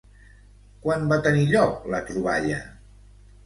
Quan va tenir lloc la troballa?